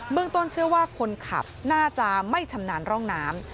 เมืองต้นเชื่อว่าคนขับน่าจะไม่ชำนาญร่องน้ำ